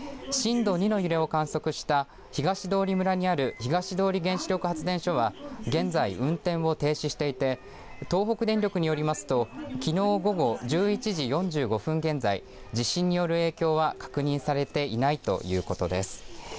震度２の揺れを観測した東通村にある東通原子力発電所は現在、運転を停止していて東北電力によりますときのう午後１１時４５分現在地震による影響は確認されていないということです。